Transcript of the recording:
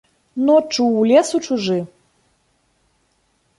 Ноччу ў лес у чужы?